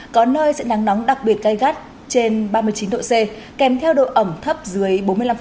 có nơi sẽ nắng nóng đặc biệt gây gắt trên ba mươi chín độ c kèm theo độ ẩm thấp dưới bốn mươi năm